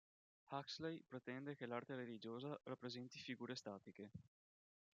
Huxley pretende che l'arte religiosa rappresenti figure statiche.